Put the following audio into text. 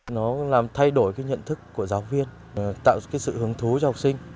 nó làm thay đổi nhận thức của giáo viên tạo sự hứng thú cho học sinh